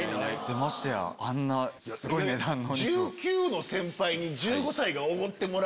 ましてやあんなすごい値段のお肉。